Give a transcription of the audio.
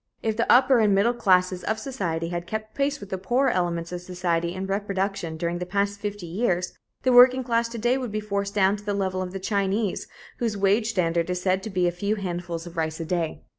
If the upper and middle classes of society had kept pace with the poorer elements of society in reproduction during the past fifty years, the working class to day would be forced down to the level of the Chinese whose wage standard is said to be a few handfuls of rice a day.